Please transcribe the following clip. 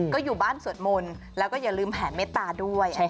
ก็อยู่บ้านสวดมนต์แล้วก็อย่าลืมแผ่เมตตาด้วย